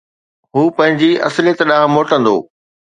هو پنهنجي اصليت ڏانهن موٽندو